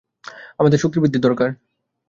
আমাদের শক্তিবৃদ্ধির দরকার।